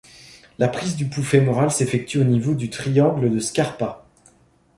La prise du pouls fémoral s'effectue au niveau du triangle de Scarpa.